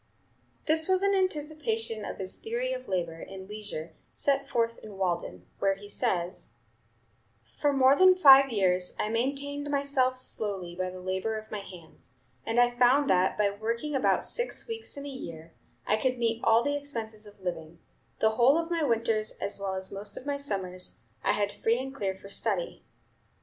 This was an anticipation of his theory of labor and leisure set forth in "Walden," where he says: "For more than five years I maintained myself solely by the labor of my hands, and I found that, by working about six weeks in a year, I could meet all the expenses of living; the whole of my winters, as well as most of my summers, I had free and clear for study.